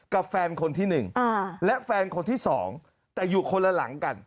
กับแฟนคนที่๑และแฟนคนที่๒แต่อยู่คนละหลังกัน